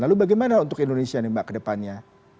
lalu bagaimana untuk indonesia nih mbak kedepannya